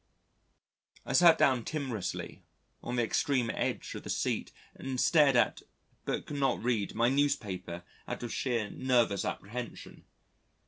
I sat down timorously on the extreme edge of the seat and stared at, but could not read, my newspaper out of sheer nervous apprehension.